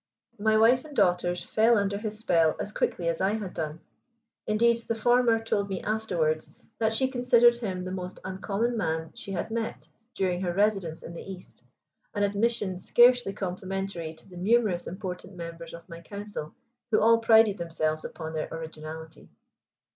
My wife and daughters fell under his spell as quickly as I had done. Indeed, the former told me afterwards that she considered him the most uncommon man she had met during her residence in the East, an admission scarcely complimentary to the numerous important members of my council who all prided themselves upon their originality.